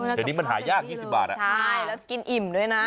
เดี๋ยวนี้มันหายาก๒๐บาทใช่แล้วกินอิ่มด้วยนะ